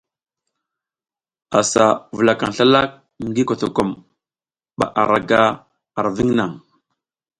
A sa vula kan slalak ngii kotokom ba ara ga ar viŋ naŋ.